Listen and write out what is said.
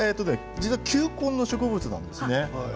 球根の植物なんですね。